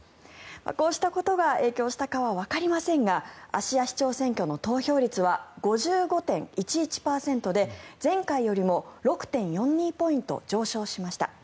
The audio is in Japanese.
こうしたことが影響したかはわかりませんが芦屋市長選挙の投票率は５５．１１％で前回よりも６．４２ポイント上昇しました。